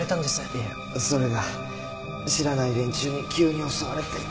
いやそれが知らない連中に急に襲われて。